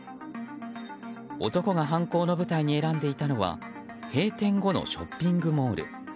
男が犯行の舞台に選んでいたのは閉店後のショッピングモール。